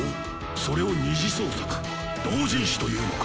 それを「二次創作」「同人誌」と言うのか。